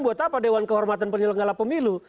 buat apa dewan kehormatan penyelenggara pemilu